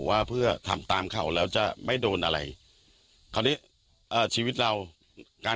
ว่าเจ้าหน้าที่แนะนำ